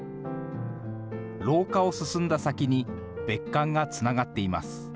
廊下を進んだ先に、別館がつながっています。